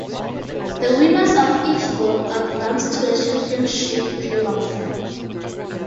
The winners of each group advance to the Championship playoff.